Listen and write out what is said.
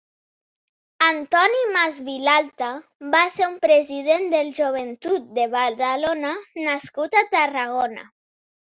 Antoni Mas Vilalta va ser un president del Joventut de Badalona nascut a Tarragona.